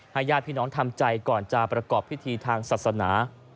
ญาติพี่น้องทำใจก่อนจะประกอบพิธีทางศาสนา